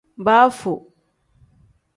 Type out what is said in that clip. Baafu.